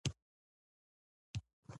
داسې لیدل ما ډېر زیات خفه کړم.